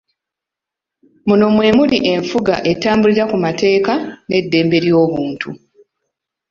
Muno mwemuli enfuga etambulira ku mateeka n'eddembe ly'obuntu.